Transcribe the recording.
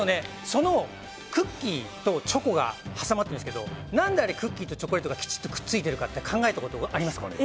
そのクッキーとチョコが挟まってるんですけど何でクッキーとチョコレートがきちっとくっついてるかって考えたことありますかね。